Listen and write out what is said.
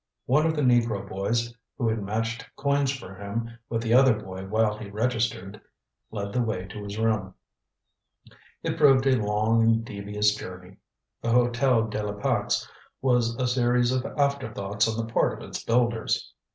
One of the negro boys who had matched coins for him with the other boy while he registered led the way to his room. It proved a long and devious journey. The Hotel de la Pax was a series of afterthoughts on the part of its builders.